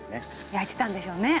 焼いてたんでしょうね。